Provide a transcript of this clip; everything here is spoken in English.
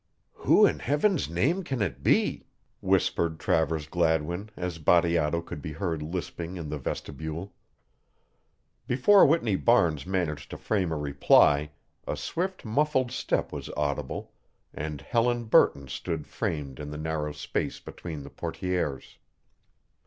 "Who in heaven's name can it be?" whispered Travers Gladwin as Bateato could be heard lisping in the vestibule. Before Whitney Barnes managed to frame a reply a swift, muffled step was audible and Helen Burton stood framed in the narrow space between the portières.